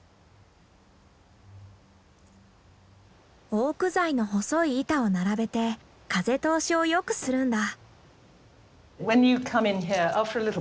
オーク材の細い板を並べて風通しを良くするんだ。